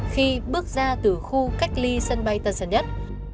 khi bước ra từ khu cách ly sân bay tân sơn nhất